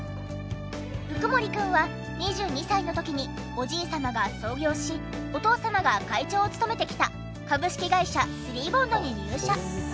鵜久森くんは２２歳の時におじい様が創業しお父様が会長を務めてきた株式会社スリーボンドに入社。